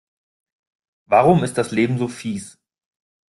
Warum ist das Leben so fieß?